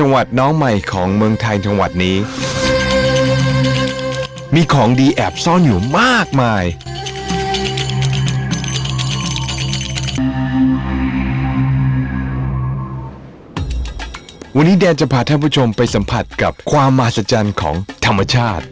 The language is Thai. วันนี้แดนจะพาท่านผู้ชมไปสัมผัสกับความมหัศจรรย์ของธรรมชาติ